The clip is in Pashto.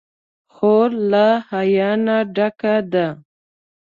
خور له حیا نه ډکه ده.